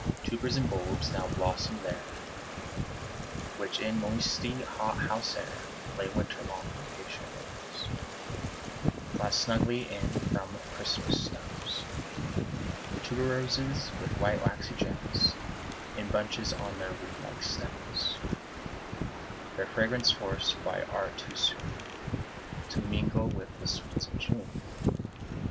Tubers and bulbs now blossomed there Which, in the moisty hot house air, Lay winter long in patient rows, Glassed snugly in from Christmas snows: Tuberoses, with white, waxy gems In bunches on their reed like stems; Their fragrance forced by art too soon To mingle with the sweets of June.